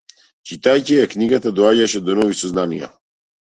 Читајќи ја книгата доаѓаше до нови сознанија.